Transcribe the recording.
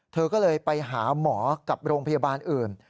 เธอก็เลยไปหาหมอกับโรงพยาบาลอื่น